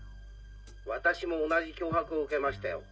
私も同じ脅迫を受けましたよ